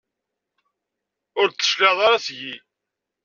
Ur d-tecliɛeḍ ara seg-i.